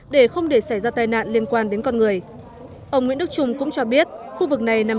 để không để xảy ra tai nạn liên quan đến con người ông nguyễn đức trung cũng cho biết khu vực này nằm